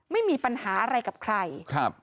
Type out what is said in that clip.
ไม่มีปัญหาอะไรกับใครครับ